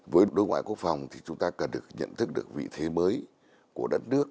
với đối ngoại quốc phòng thì chúng ta cần được nhận thức được vị thế mới của đất nước